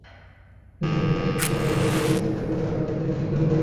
দোষী ব্যক্তিদের শাস্তি এবং নিহত দুই ছাত্রের পরিবারকে আর্থিক ক্ষতিপূরণ দিতে হবে।